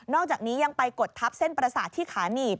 อกจากนี้ยังไปกดทับเส้นประสาทที่ขาหนีบ